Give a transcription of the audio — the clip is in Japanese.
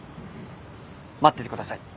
待っててください。